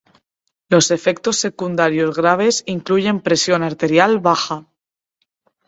Los efectos secundarios graves incluyen presión arterial baja.